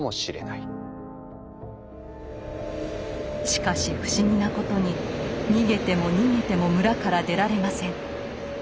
しかし不思議なことに逃げても逃げても村から出られません。